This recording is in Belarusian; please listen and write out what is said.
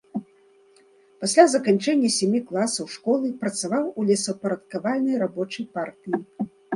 Пасля заканчэння сямі класаў школы працаваў у лесаўпарадкавальнай рабочай партыі.